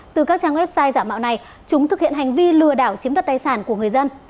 từ các trang website giả mạo này chúng thực hiện hành vi lừa đảo chiếm đất tài sản của người dân